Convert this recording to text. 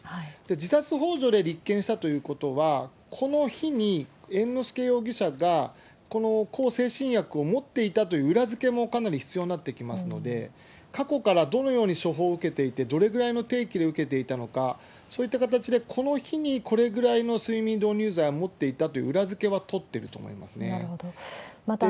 自殺ほう助で立件したということは、この日に猿之助容疑者が、この向精神薬を持っていたという裏付けもかなり必要になってきますので、過去からどのように処方を受けていて、どれぐらいの定期で受けていたのか、そういった形でこの日にこのぐらいの睡眠導入剤を持っていたといなるほど。